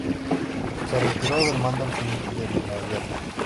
Se retiró del mando al fin de la guerra.